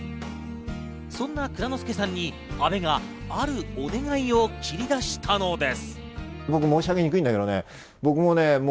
そんな藏之輔さんに阿部があるお願いを切り出したのです。